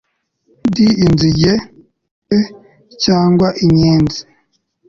d inzige e cyangwa inyenzi